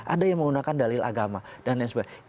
ada yang menggunakan dalil agama dan lain sebagainya